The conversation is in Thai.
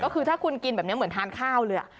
ก็คือถ้าคุณกินแบบนี้เหมือนทานข้าวเลย